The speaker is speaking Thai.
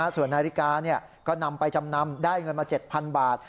ส่วนนาฬิกาก็นำไปจำนำได้เงินมา๗๐๐บาท